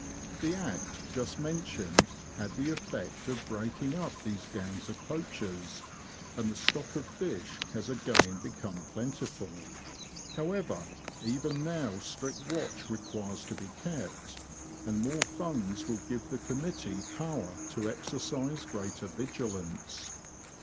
The Act just mentioned had the effect of breaking up these gangs of poachers, and the stock of fish has again become plentiful. However, even now strict watch requires to be kept, and more funds will give the committee power to exercise greater vigilance.